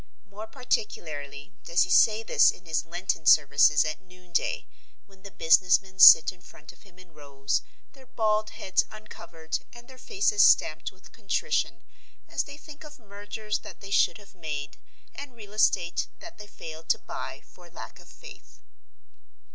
More particularly does he say this in his Lenten services at noonday, when the businessmen sit in front of him in rows, their bald heads uncovered and their faces stamped with contrition as they think of mergers that they should have made, and real estate that they failed to buy for lack of faith.